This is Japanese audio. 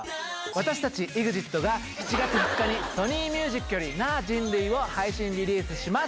私たちＥＸＩＴが、７月２日にソニーミュージックからなぁ人類を配信リリースします。